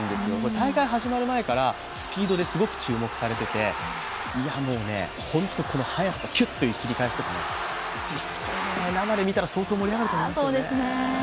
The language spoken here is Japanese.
大会が始まる前からスピードですごく注目されていて、本当に速さ、キュッていう切り返しとか、生で見たら相当盛り上がりますよね。